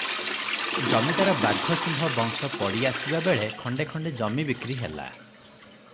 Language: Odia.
ଜମିଦାର ବାଘ ସିଂହ ବଂଶ ପଡ଼ି ଆସିବାବେଳେ ଖଣ୍ତେ ଖଣ୍ତେ ଜମି ବିକ୍ରି ହେଲା ।